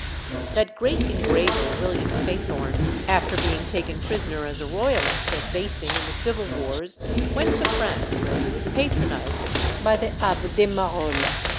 That great engraver, William Faithorne, after being taken prisoner as a Royalist at Basing in the Civil Wars, went to France, where he was patronised by the Abbé de Marolles.